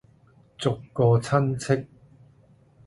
逐個親戚